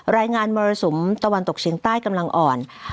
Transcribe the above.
รายงานมรสุมตะวันตกเฉียงใต้กำลังอ่อน